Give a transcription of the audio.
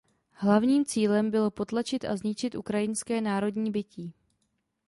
Hlavním cílem bylo potlačit a zničit ukrajinské národní bytí.